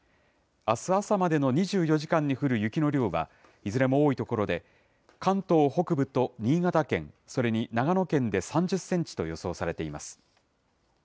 あす朝までの２４時間に降る雪の量は、いずれも多い所で、関東北部と新潟県、それに長野県で３０センチと予想されています。